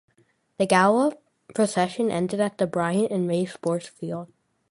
The gala procession ended at the Bryant and May sports field.